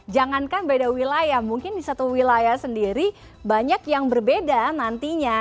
jangankan beda wilayah mungkin di satu wilayah sendiri banyak yang berbeda nantinya